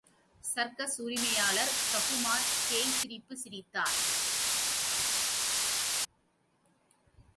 Circus உரிமையாளர் ககுமார் பேய்ச் சிரிப்புச் சிரித்தார்.